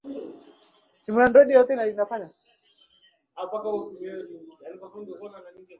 ili kukabiliana na wakoloni wa kijerumani